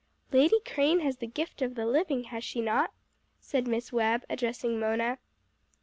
"Lady Crane has the gift of the living, has she not?" said Miss Webb, addressing Mona.